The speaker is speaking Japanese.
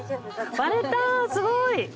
割れたすごい！